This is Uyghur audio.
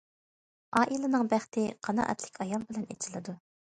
ئائىلىنىڭ بەختى قانائەتلىك ئايال بىلەن ئېچىلىدۇ.